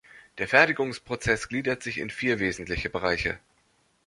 Der Fertigungsprozess gliedert sich in vier wesentliche Bereiche.